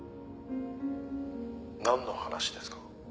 「なんの話ですか？」